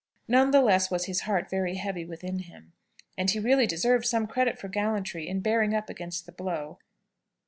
None the less was his heart very heavy within him. And he really deserved some credit for gallantry in bearing up against the blow.